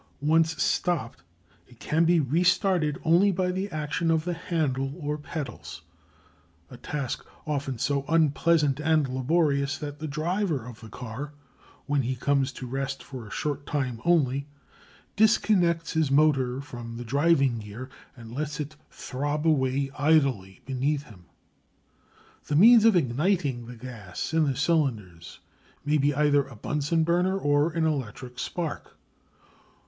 Once stopped, it can be restarted only by the action of the handle or pedals; a task often so unpleasant and laborious that the driver of a car, when he comes to rest for a short time only, disconnects his motor from the driving gear and lets it throb away idly beneath him. The means of igniting the gas in the cylinders may be either a Bunsen burner or an electric spark.